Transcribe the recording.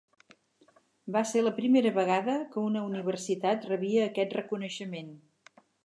Va ser la primera vegada que una universitat rebia aquest reconeixement.